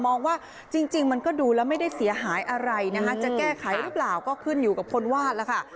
มองว่าจริงมันก็ดูแล้วไม่ได้เสียหายอะไรนะคะจะแก้ไขหรือเปล่าก็ขึ้นอยู่กับคนวาดแล้วค่ะ